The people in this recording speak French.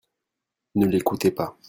Ne l'écoutez pas.